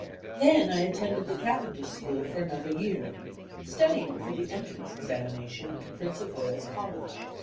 Then I at tended the Cavendish school for another year, studying for the Entrance Examination into Prince of Wales College.